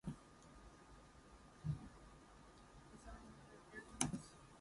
His love is so obvious and undisguisable.